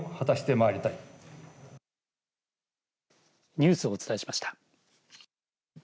ニュースをお伝えしました。